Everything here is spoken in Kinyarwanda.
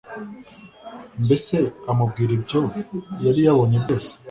mbese amubwira ibyo yari yabonye byose